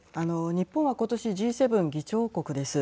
日本は今年、Ｇ７議長国です。